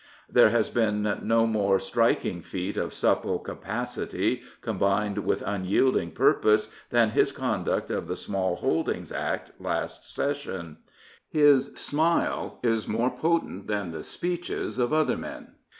'' There has been no more striking feat of supple capacity combined with unyielding purpose than his conduct of the Small Holdings Act 310 Lewis Harcourt last Session. His smile is more potent than the speeches of other men.